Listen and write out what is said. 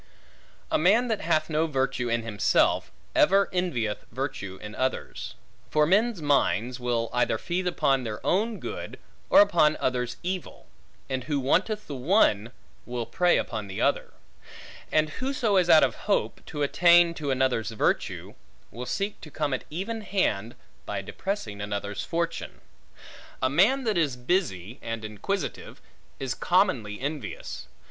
A man that hath no virtue in himself, ever envieth virtue in others. For men's minds, will either feed upon their own good, or upon others' evil; and who wanteth the one, will prey upon the other; and whoso is out of hope, to attain to another's virtue, will seek to come at even hand, by depressing another's fortune. A man that is busy, and inquisitive, is commonly envious.